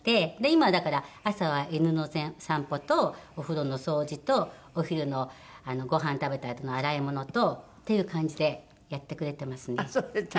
今はだから朝は犬の散歩とお風呂の掃除とお昼のごはん食べたあとの洗い物とっていう感じでやってくれてますね。